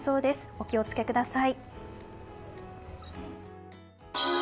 お気をつけください。